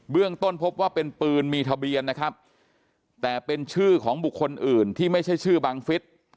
เรื่องต้นพบว่าเป็นปืนมีทะเบียนนะครับแต่เป็นชื่อของบุคคลอื่นที่ไม่ใช่ชื่อบังฟิศ